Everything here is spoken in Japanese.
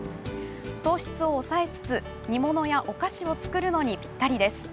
糖質を抑えつつ煮物やお菓子を作るのにぴったりです。